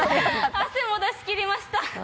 汗も出しきりました。